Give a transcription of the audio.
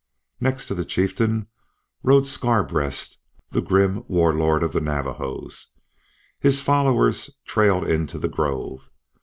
Next to the chieftain rode Scarbreast, the grim war lord of the Navajos. His followers trailed into the grove.